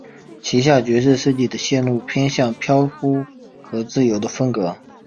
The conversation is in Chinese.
旗下角色设计的线条偏向飘忽和自由的风格。